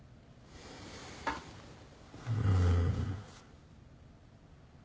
うん。